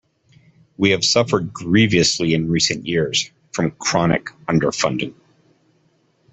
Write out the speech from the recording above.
We have suffered grievously in recent years from chronic underfunding.